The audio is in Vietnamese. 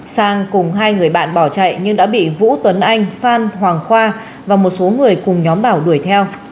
sang cùng hai người bạn bỏ chạy nhưng đã bị vũ tuấn anh phan hoàng khoa và một số người cùng nhóm bảo đuổi theo